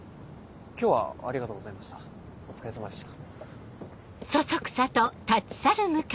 今日はありがとうございましたお疲れさまでした。